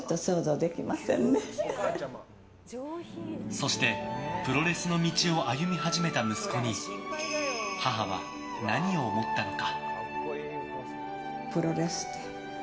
そしてプロレスの道を歩み始めた息子に母は何を思ったのか。